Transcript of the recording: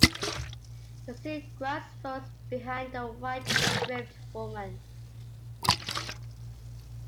The sea-grass rose behind the white stripped woman.